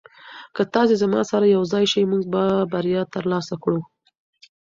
که تاسي زما سره یوځای شئ موږ به بریا ترلاسه کړو.